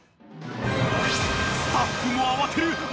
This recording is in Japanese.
［スタッフも慌てる］